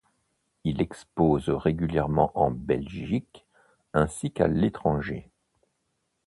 Il expose régulièrement en Belgique ainsi qu'à l'étranger.